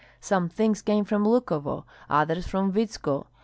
Some things came from Lukovo, others from Vidzko.